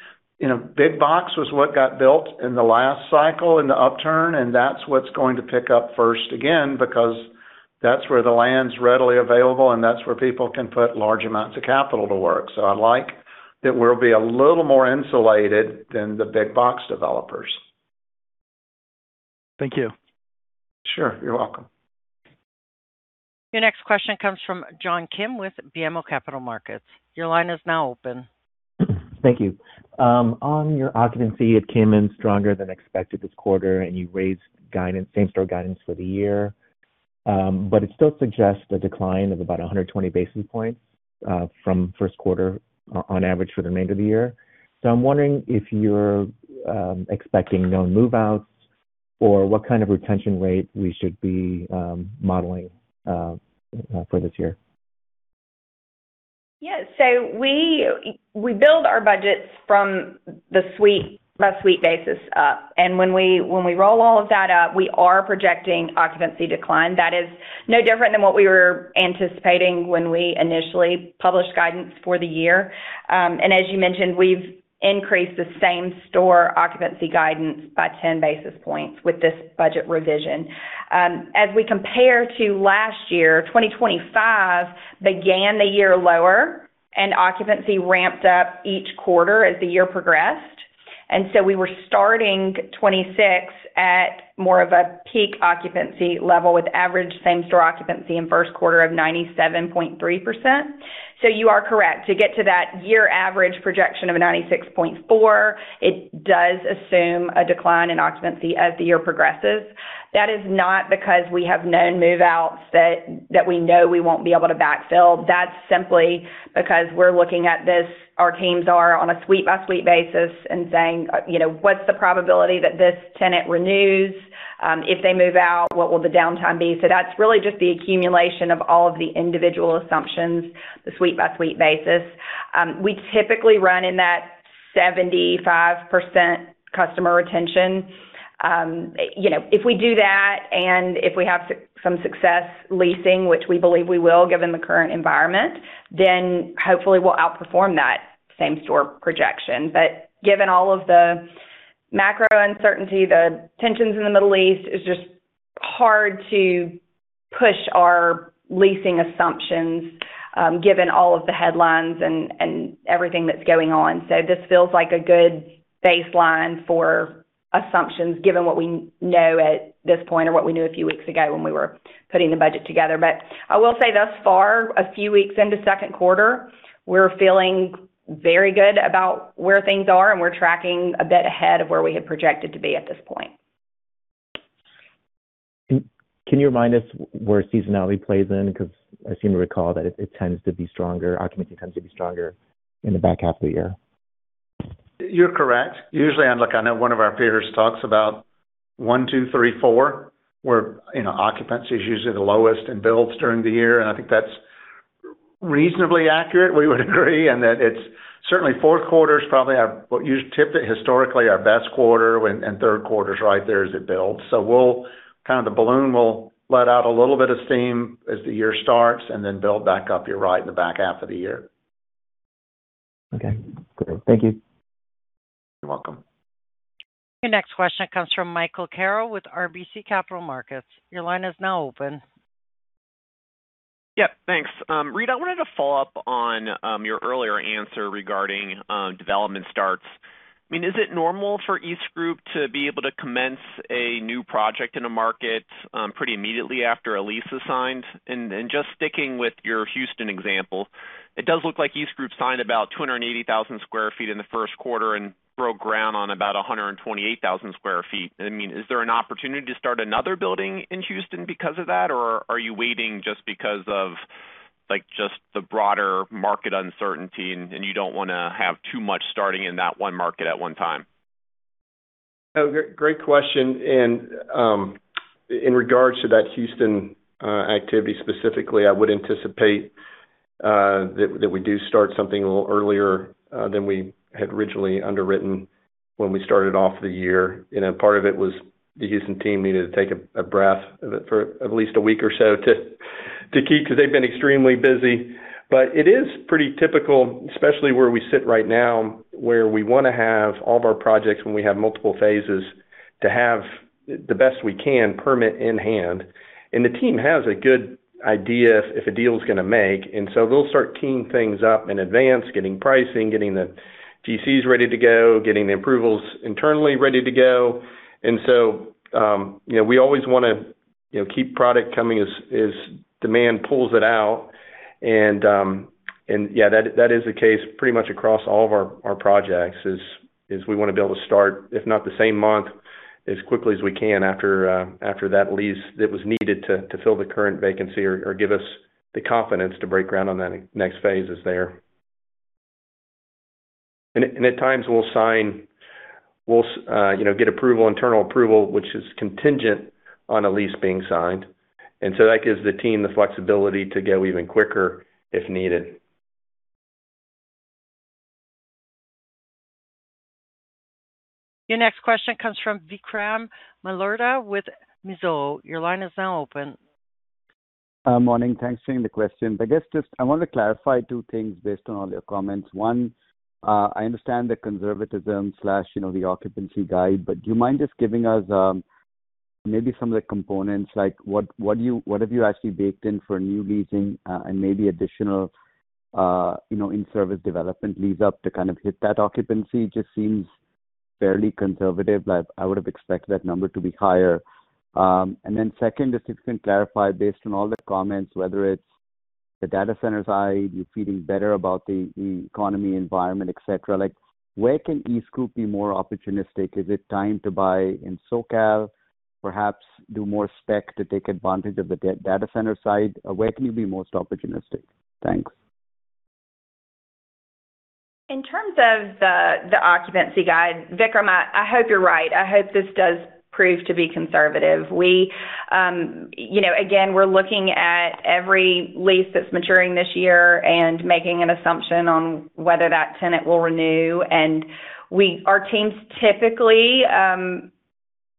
big box was what got built in the last cycle in the upturn, and that's what's going to pick up first again, because that's where the land's readily available, and that's where people can put large amounts of capital to work. I'd like that we'll be a little more insulated than the big box developers. Thank you. Sure. You're welcome. Your next question comes from John Kim with BMO Capital Markets. Your line is now open. Thank you. On your occupancy, it came in stronger than expected this quarter, and you raised same store guidance for the year. It still suggests a decline of about 120 basis points from first quarter on average for the remainder of the year. I'm wondering if you're expecting no move-outs or what kind of retention rate we should be modeling for this year. Yeah. We build our budgets from the lease suite basis up. When we roll all of that up, we are projecting occupancy decline. That is no different than what we were anticipating when we initially published guidance for the year. As you mentioned, we've increased the same-store occupancy guidance by 10 basis points with this budget revision. As we compare to last year, 2025 began the year lower. Occupancy ramped up each quarter as the year progressed. We were starting 2026 at more of a peak occupancy level with average same-store occupancy in first quarter of 97.3%. You are correct. To get to that year average projection of a 96.4%, it does assume a decline in occupancy as the year progresses. That is not because we have known move-outs that we know we won't be able to backfill. That's simply because we're looking at this, our teams are, on a suite-by-suite basis and saying, what's the probability that this tenant renews? If they move out, what will the downtime be? That's really just the accumulation of all of the individual assumptions, the suite-by-suite basis. We typically run in that 75% customer retention. If we do that and if we have some success leasing, which we believe we will, given the current environment, then hopefully we'll outperform that same-store projection. Given all of the macro uncertainty, the tensions in the Middle East, it's just hard to push our leasing assumptions, given all of the headlines and everything that's going on. This feels like a good baseline for assumptions, given what we know at this point or what we knew a few weeks ago when we were putting the budget together. I will say thus far, a few weeks into second quarter, we're feeling very good about where things are, and we're tracking a bit ahead of where we had projected to be at this point. Can you remind us where seasonality plays in? Because I seem to recall that it tends to be stronger, occupancy tends to be stronger in the back half of the year. You're correct. Usually, I know one of our peers talks about one, two, three, four, where occupancy is usually the lowest and builds during the year, and I think that's reasonably accurate. We would agree in that it's certainly fourth quarter is probably our what you'd call it historically our best quarter, and third quarter's right there as it builds. The balloon will let out a little bit of steam as the year starts and then build back up. You're right in the back half of the year. Okay, great. Thank you. You're welcome. Your next question comes from Michael Carroll with RBC Capital Markets. Your line is now open. Yeah, thanks. Reid, I wanted to follow up on your earlier answer regarding development starts. Is it normal for EastGroup to be able to commence a new project in a market pretty immediately after a lease is signed? Just sticking with your Houston example, it does look like EastGroup signed about 280,000 sq ft in the first quarter and broke ground on about 128,000 sq ft. Is there an opportunity to start another building in Houston because of that? Or are you waiting just because of the broader market uncertainty, and you don't want to have too much starting in that one market at one time? No, great question. In regards to that Houston activity specifically, I would anticipate that we do start something a little earlier than we had originally underwritten when we started off the year. Part of it was the Houston team needed to take a breath for at least a week or so to keep, because they've been extremely busy. It is pretty typical, especially where we sit right now, where we want to have all of our projects when we have multiple phases to have the best we can permit in hand. The team has a good idea if a deal is going to make, and so they'll start teeing things up in advance, getting pricing, getting the GCs ready to go, getting the approvals internally ready to go. We always want to keep product coming as demand pulls it out. Yeah, that is the case pretty much across all of our projects. We want to be able to start, if not the same month, as quickly as we can after that lease that was needed to fill the current vacancy or give us the confidence to break ground on that next phase is there. At times, we'll get approval, internal approval, which is contingent on a lease being signed. That gives the team the flexibility to go even quicker if needed. Your next question comes from Vikram Malhotra with Mizuho. Your line is now open. Morning. Thanks for taking the question. I guess just, I wanted to clarify two things based on all your comments. One, I understand the conservatism/the occupancy guide, but do you mind just giving us maybe some of the components, like what have you actually baked in for new leasing and maybe additional in-service development leads up to kind of hit that occupancy? It just seems fairly conservative. I would've expected that number to be higher. Second, just if you can clarify based on all the comments, whether it's the data centers side, you're feeling better about the economy, environment, et cetera. Where can EastGroup be more opportunistic? Is it time to buy in SoCal? Perhaps do more spec to take advantage of the data center side? Where can you be most opportunistic? Thanks. In terms of the occupancy guide, Vikram, I hope you're right. I hope this does prove to be conservative. Again, we're looking at every lease that's maturing this year and making an assumption on whether that tenant will renew. Our teams typically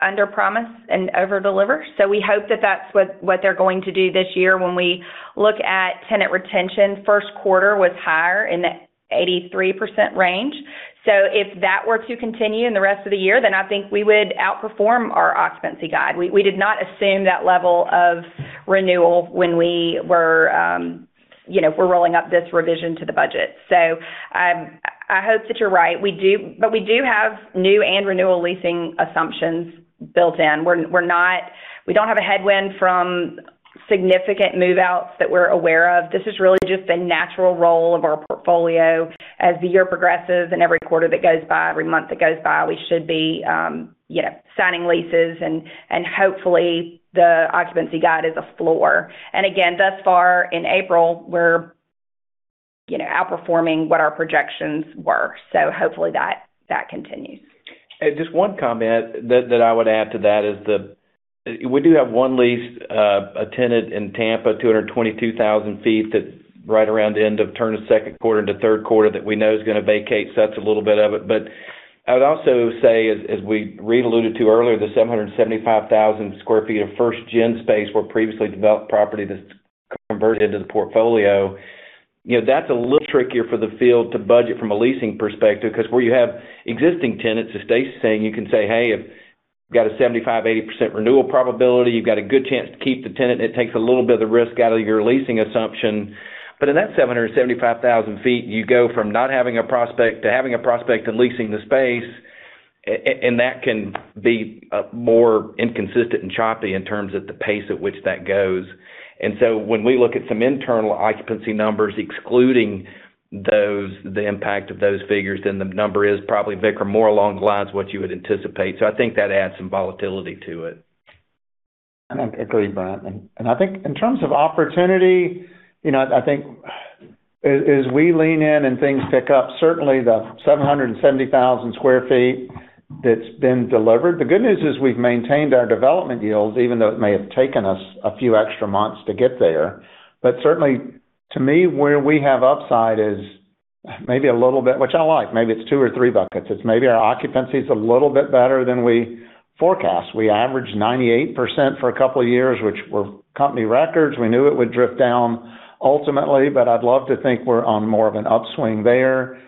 underpromise and overdeliver, so we hope that that's what they're going to do this year. When we look at tenant retention, first quarter was higher in the 83% range. If that were to continue in the rest of the year, then I think we would outperform our occupancy guide. We did not assume that level of renewal when we were rolling up this revision to the budget. I hope that you're right. We do have new and renewal leasing assumptions built in. We don't have a headwind from significant move-outs that we're aware of. This is really just the natural role of our portfolio as the year progresses and every quarter that goes by, every month that goes by, we should be signing leases and hopefully the occupancy guide is a floor. Again, thus far in April, we're outperforming what our projections were. Hopefully that continues. Just one comment that I would add to that is that we do have one lease, a tenant in Tampa, 222,000 sq ft, that's right around the end of the term from second quarter into third quarter that we know is going to vacate, so that's a little bit of it. I would also say, as Reid alluded to earlier, the 775,000 sq ft of first gen space [on] previously developed property that's converted into the portfolio. That's a little trickier for the field to budget from a leasing perspective, because where you have existing tenants, as Staci's saying, you can say, "Hey, I've got a 75%-80% renewal probability." You've got a good chance to keep the tenant. It takes a little bit of the risk out of your leasing assumption. In that 775,000 sq ft, you go from not having a prospect to having a prospect and leasing the space, and that can be more inconsistent and choppy in terms of the pace at which that goes. When we look at some internal occupancy numbers, excluding the impact of those figures, then the number is probably, Vikram, more along the lines of what you would anticipate. I think that adds some volatility to it. I agree with that. I think in terms of opportunity, I think as we lean in and things pick up, certainly the 770,000 sq ft that's been delivered. The good news is we've maintained our development yields, even though it may have taken us a few extra months to get there. Certainly, to me, where we have upside is maybe a little bit, which I like, maybe it's two or three buckets. It's maybe our occupancy is a little bit better than we forecast. We averaged 98% for a couple of years, which were company records. We knew it would drift down ultimately, but I'd love to think we're on more of an upswing there,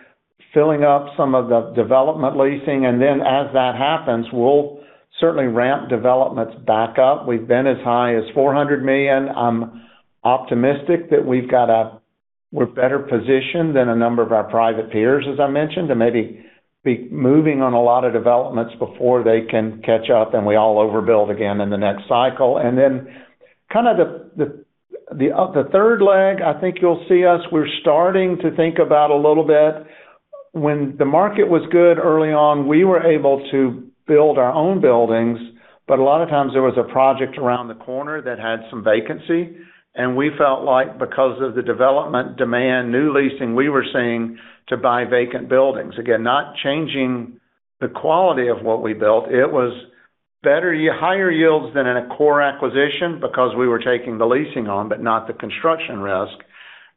filling up some of the development leasing. Then as that happens, we'll certainly ramp developments back up. We've been as high as $400 million. I'm optimistic that we're better positioned than a number of our private peers, as I mentioned, to maybe be moving on a lot of developments before they can catch up and we all overbuild again in the next cycle. Then kind of the third leg, I think you'll see us, we're starting to think about a little bit. When the market was good early on, we were able to build our own buildings, but a lot of times there was a project around the corner that had some vacancy. We felt like because of the development demand, new leasing, we were seeking to buy vacant buildings. Again, not changing the quality of what we built. It was higher yields than in a core acquisition because we were taking the leasing on, but not the construction risk.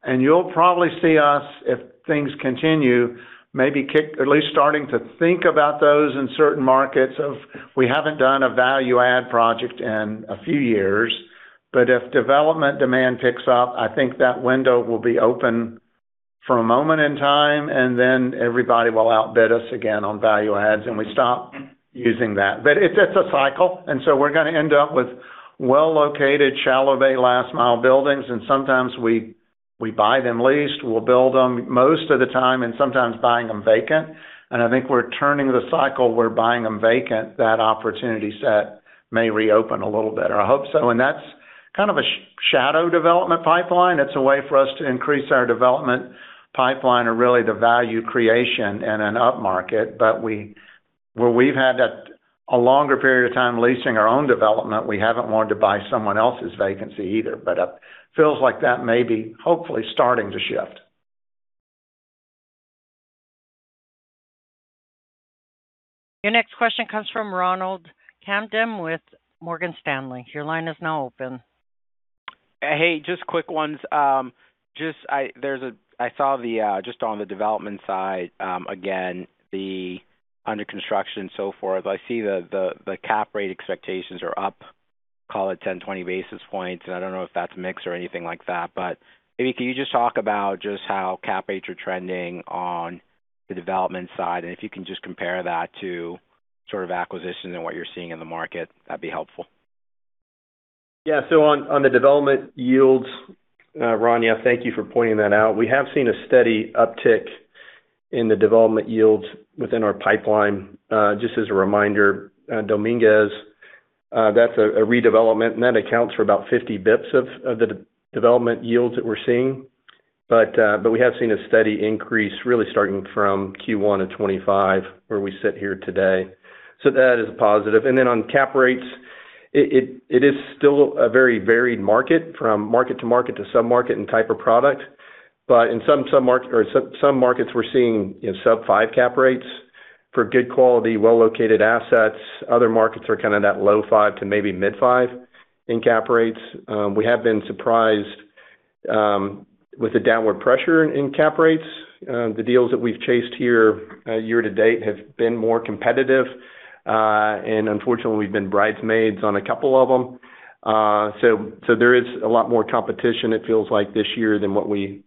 You'll probably see us, if things continue, maybe kick at least starting to think about those in certain markets where we haven't done a value add project in a few years. If development demand picks up, I think that window will be open for a moment in time, and then everybody will outbid us again on value adds, and we stop using that. It's a cycle, and so we're going to end up with well-located Shallow-bay last mile buildings, and sometimes we buy them leased, we'll build them most of the time, and sometimes buying them vacant. I think we're turning the cycle, we're buying them vacant. That opportunity set may reopen a little better. I hope so. That's kind of a shadow development pipeline. It's a way for us to increase our development pipeline or really the value creation in an upmarket. where we've had that a longer period of time leasing our own development, we haven't wanted to buy someone else's vacancy either. It feels like that may be hopefully starting to shift. Your next question comes from Ronald Kamdem with Morgan Stanley. Your line is now open. Hey, just quick ones. I saw just on the development side, again, the under construction so forth. I see the cap rate expectations are up, call it 10, 20 basis points. I don't know if that's mix or anything like that. Maybe can you just talk about just how cap rates are trending on the development side? If you can just compare that to sort of acquisition and what you're seeing in the market, that'd be helpful. Yeah. On the development yields, Ron, thank you for pointing that out. We have seen a steady uptick in the development yields within our pipeline. Just as a reminder, Dominguez, that's a redevelopment, and that accounts for about 50 basis points of the development yields that we're seeing. We have seen a steady increase really starting from Q1 of 2025, where we sit here today. That is a positive. Then on cap rates, it is still a very varied market from market to market to sub-market and type of product. In some markets we're seeing sub-5 cap rates for good quality, well-located assets. Other markets are kind of that low-5 to maybe mid-5 in cap rates. We have been surprised with the downward pressure in cap rates. The deals that we've chased here year to date have been more competitive. Unfortunately, we've been bridesmaids on a couple of them. There is a lot more competition it feels like this year than what we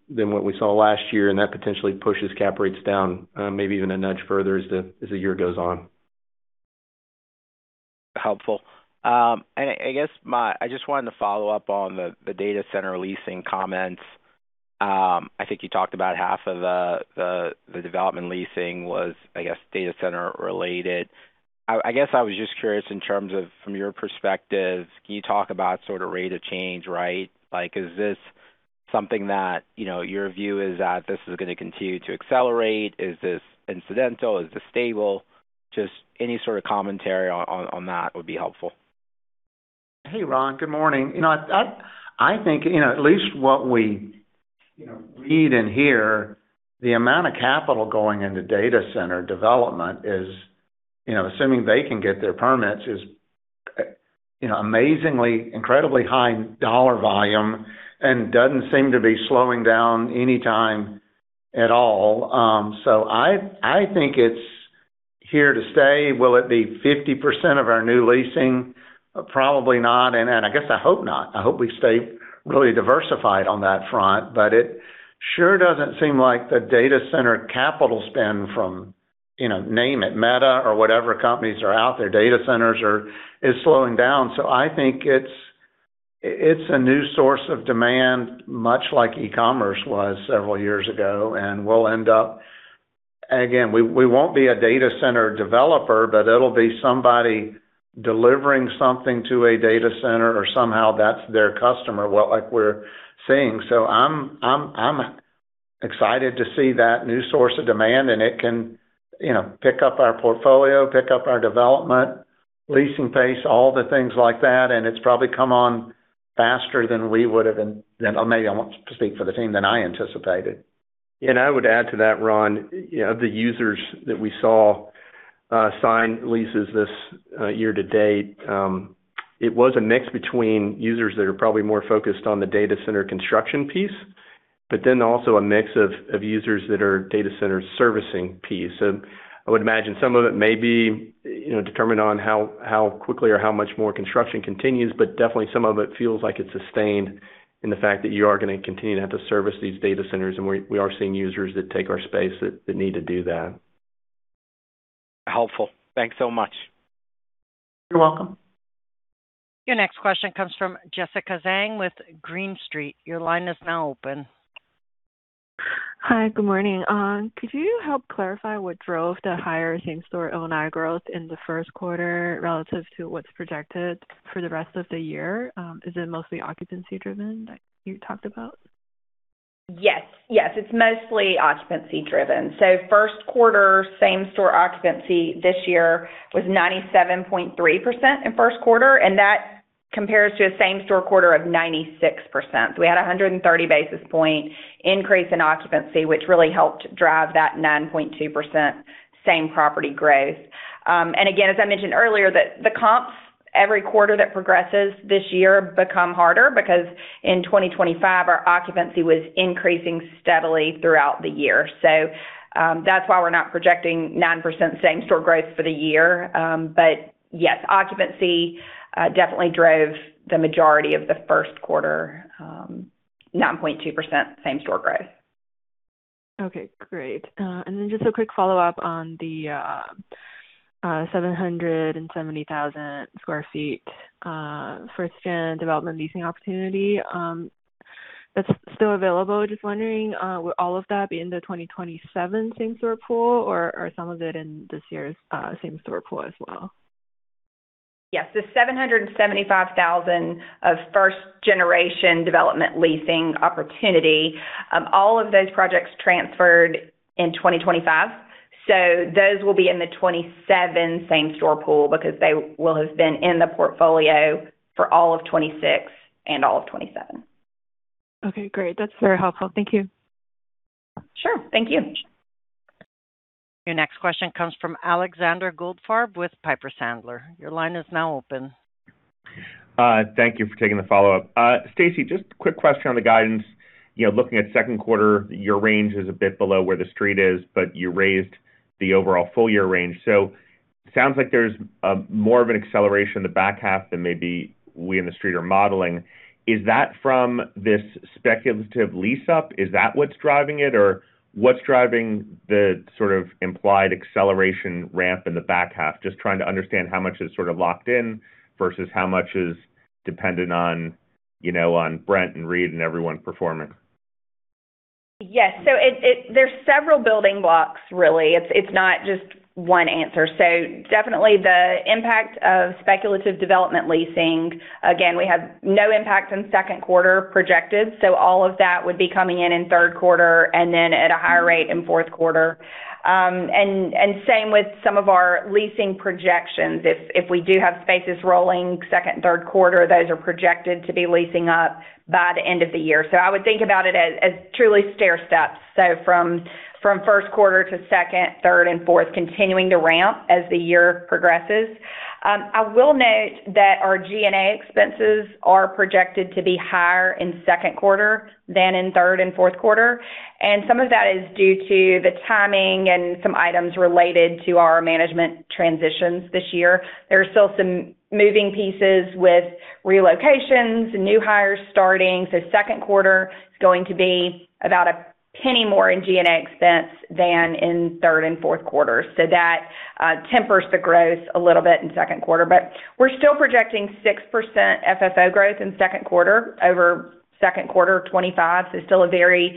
saw last year, and that potentially pushes cap rates down maybe even a nudge further as the year goes on. Helpful. I just wanted to follow up on the data center leasing comments. I think you talked about half of the development leasing was, I guess, data center related. I was just curious in terms of, from your perspective, can you talk about sort of rate of change, right? Is this something that your view is that this is going to continue to accelerate? Is this incidental? Is this stable? Just any sort of commentary on that would be helpful. Hey, Ron. Good morning. I think at least what we read and hear, the amount of capital going into data center development is, assuming they can get their permits, is amazingly, incredibly high dollar volume and doesn't seem to be slowing down any time at all. I think it's here to stay. Will it be 50% of our new leasing? Probably not, and I guess I hope not. I hope we stay really diversified on that front, but it sure doesn't seem like the data center capital spend from, name it, Meta or whatever companies are out there, data centers, is slowing down. I think it's a new source of demand, much like e-commerce was several years ago, and we'll end up. Again, we won't be a data center developer, but it'll be somebody delivering something to a data center or somehow that's their customer, like we're seeing. I'm excited to see that new source of demand, and it can pick up our portfolio, pick up our development, leasing pace, all the things like that, and it's probably come on faster than we would've, and maybe I won't speak for the team, than I anticipated. I would add to that, Ron, of the users that we saw sign leases this year to date, it was a mix between users that are probably more focused on the data center construction piece, but then also a mix of users that are data center servicing piece. I would imagine some of it may be determined on how quickly or how much more construction continues, but definitely some of it feels like it's sustained in the fact that you are going to continue to have to service these data centers, and we are seeing users that take our space that need to do that. Helpful. Thanks so much. You're welcome. Your next question comes from Jessica Zheng with Green Street. Your line is now open. Hi. Good morning. Could you help clarify what drove the higher same-store NOI growth in the first quarter relative to what's projected for the rest of the year? Is it mostly occupancy driven, like you talked about? Yes. It's mostly occupancy driven. First quarter same-store occupancy this year was 97.3% in first quarter, and that compares to a same-store quarter of 96%. We had a 130 basis point increase in occupancy, which really helped drive that 9.2% same-property growth. Again, as I mentioned earlier, the comps every quarter that progresses this year become harder because in 2025, our occupancy was increasing steadily throughout the year. That's why we're not projecting 9% same-store growth for the year. Yes, occupancy definitely drove the majority of the first quarter, 9.2% same-store growth. Okay, great. Just a quick follow-up on the 770,000 sq ft first gen development leasing opportunity. That's still available. Just wondering, will all of that be in the 2027 same-store pool, or are some of it in this year's same-store pool as well? Yes. The 775,000 of first generation development leasing opportunity. All of those projects transferred in 2025, so those will be in the 2027 same-store pool because they will have been in the portfolio for all of 2026 and all of 2027. Okay, great. That's very helpful. Thank you. Sure. Thank you. Your next question comes from Alexander Goldfarb with Piper Sandler. Your line is now open. Thank you for taking the follow-up. Staci, just a quick question on the guidance. Looking at second quarter, your range is a bit below where The Street is, but you raised the overall full year range. Sounds like there's more of an acceleration in the back half than maybe we in The Street are modeling. Is that from this speculative lease-up? Is that what's driving it? Or what's driving the sort of implied acceleration ramp in the back half? Just trying to understand how much is sort of locked in versus how much is dependent on Brent and Reid and everyone performing. Yes. There's several building blocks really. It's not just one answer. Definitely the impact of speculative development leasing. Again, we have no impact in second quarter projected, so all of that would be coming in in third quarter and then at a higher rate in fourth quarter. Same with some of our leasing projections. If we do have spaces rolling second, third quarter, those are projected to be leasing up by the end of the year. I would think about it as truly stairsteps. From first quarter to second, third and fourth, continuing to ramp as the year progresses. I will note that our G&A expenses are projected to be higher in second quarter than in third and fourth quarter, and some of that is due to the timing and some items related to our management transitions this year. There are still some moving pieces with relocations and new hires starting. Second quarter is going to be about $0.01 more in G&A expense than in third and fourth quarters. That tempers the growth a little bit in second quarter. We're still projecting 6% FFO growth in second quarter over second quarter of 2025. Still a very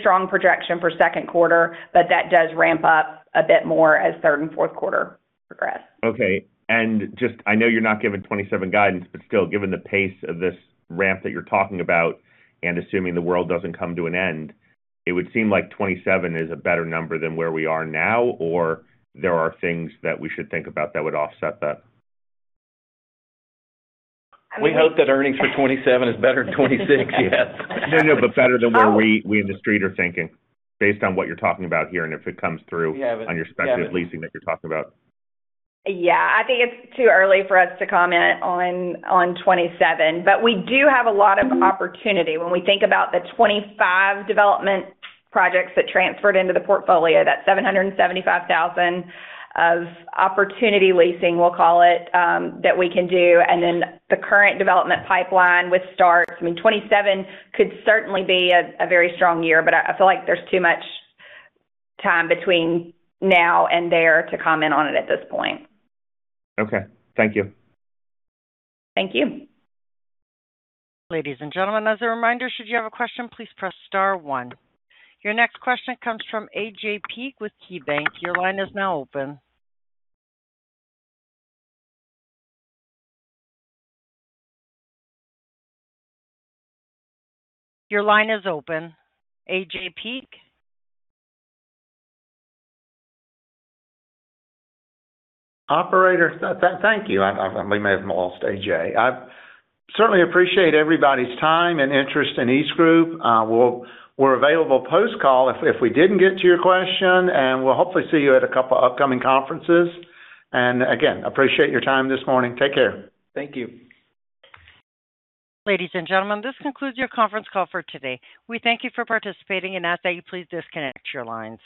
strong projection for second quarter, but that does ramp up a bit more as third and fourth quarter progress. Okay. I know you're not giving 2027 guidance, but still, given the pace of this ramp that you're talking about, and assuming the world doesn't come to an end, it would seem like 2027 is a better number than where we are now, or there are things that we should think about that would offset that? We hope that earnings for 2027 is better than 2026. Yes. No, better than where we on the Street are thinking based on what you're talking about here, and if it comes through on your speculative leasing that you're talking about. Yeah. I think it's too early for us to comment on 2027. We do have a lot of opportunity when we think about the 2025 development projects that transferred into the portfolio. That's 775,000 of opportunity leasing, we'll call it, that we can do. And then the current development pipeline with starts. I mean, 2027 could certainly be a very strong year, but I feel like there's too much time between now and there to comment on it at this point. Okay. Thank you. Thank you. Ladies and gentlemen, as a reminder, should you have a question, please press star one. Your next question comes from AJ Peak with KeyBanc. Your line is now open. AJ Peak? Operator, thank you. We may have lost AJ. I certainly appreciate everybody's time and interest in EastGroup. We're available post-call if we didn't get to your question, and we'll hopefully see you at a couple upcoming conferences. Again, appreciate your time this morning. Take care. Thank you. Ladies and gentlemen, this concludes your conference call for today. We thank you for participating and ask that you please disconnect your lines.